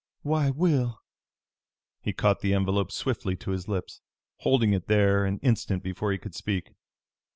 "Why, Will!" He caught the envelope swiftly to his lips, holding it there an instant before he could speak.